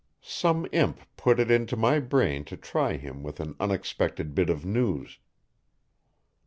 Some imp put it into my brain to try him with an unexpected bit of news.